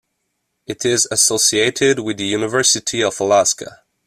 It is associated with the University of Alaska.